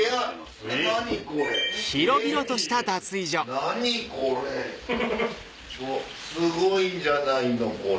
何これ⁉すごいんじゃないのこれ。